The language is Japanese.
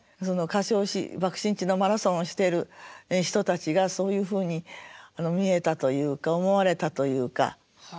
火傷し爆心地のマラソンをしている人たちがそういうふうに見えたというか思われたというか。